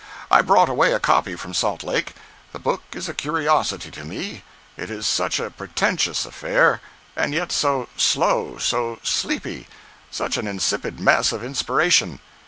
I brought away a copy from Salt Lake. The book is a curiosity to me, it is such a pretentious affair, and yet so "slow," so sleepy; such an insipid mess of inspiration.